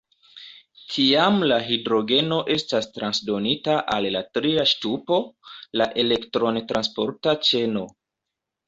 Tiam la hidrogeno estas transdonita al la tria ŝtupo, la elektron-transporta ĉeno.